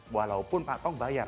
walaupun pak tong bayar